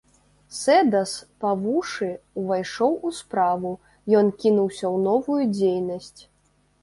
Сэдас па вушы ўвайшоў у справу, ён кінуўся ў новую дзейнасць.